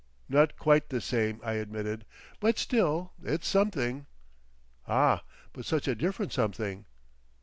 "Not quite the same," I admitted; "but still it's something." "Ah! But such a different something!"